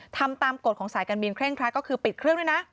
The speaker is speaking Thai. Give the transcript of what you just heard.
ทำตามกฎของสายการบินเคร่งครัดก็คือปิดเครื่องด้วยนะ